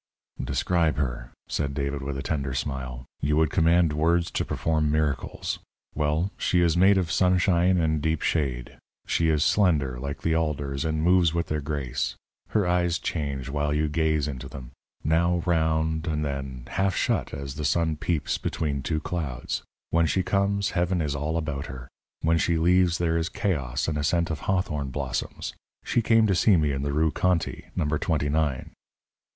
"Describe her!" said David with a tender smile. "You would command words to perform miracles. Well, she is made of sunshine and deep shade. She is slender, like the alders, and moves with their grace. Her eyes change while you gaze into them; now round, and then half shut as the sun peeps between two clouds. When she comes, heaven is all about her; when she leaves, there is chaos and a scent of hawthorn blossoms. She came to see me in the Rue Conti, number twenty nine."